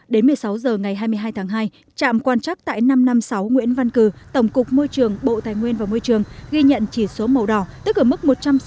đến một mươi sáu h ngày hai mươi hai tháng hai trạm quan trắc tại năm trăm năm mươi sáu nguyễn văn cử tổng cục môi trường bộ tài nguyên và môi trường ghi nhận chỉ số màu đỏ tức ở mức một trăm sáu mươi